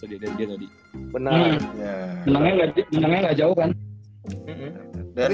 tadi aja ini kan ngerebutin brooklyn nets